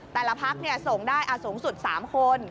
แต่ละพักส่งได้สูงสุด๓คน